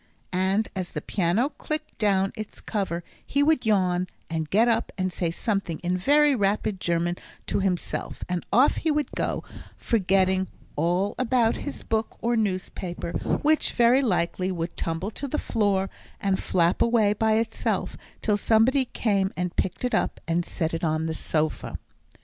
And as the piano clicked down its cover, he would yawn, and get up and say something in very rapid German to himself, and off he would go, forgetting all about his book or newspaper, which, very likely, would tumble to the floor, and flap away by itself till somebody came and picked it up and set it on the sofa.